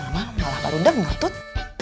mama malah baru udah ngotot